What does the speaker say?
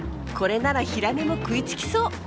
これならヒラメも食いつきそう！